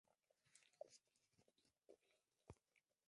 Inicialmente fue Santo Domingo y luego Casabianca.